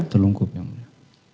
telungkup yang mulia